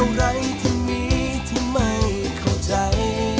อะไรที่มีที่ไม่เข้าใจ